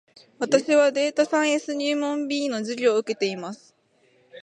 私はデータサイエンス入門 B の授業を受けています